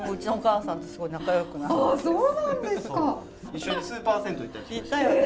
一緒にスーパー銭湯行ったりしましたね。